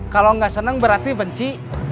kalau nggak senang berarti benci